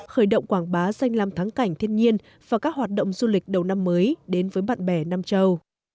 khởi động quảng bá danh làm thắng cảnh thiên nhiên và các hoạt động du lịch đầu năm mới đến với bạn bè nam châu